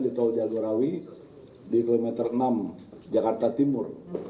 di kaujagorawi di kilometer enam jakarta timur